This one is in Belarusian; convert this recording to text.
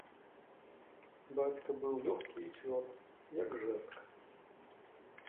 Бацька быў лёгкі і цвёрды, як жэрдка.